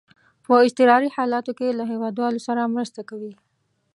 په اضطراري حالاتو کې له هیوادوالو سره مرسته کوي.